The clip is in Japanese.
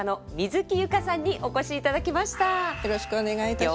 よろしくお願いします。